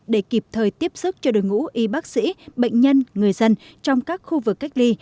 để kịp thời tiếp xúc cho đội ngũ y bác sĩ bệnh nhân người dân trong các khu vực cách ly